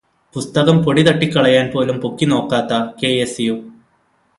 പുസ്തകം പൊടി തട്ടിക്കളയാൻ പോലും പൊക്കി നോക്കാത്ത, കെ.എസ്.യു.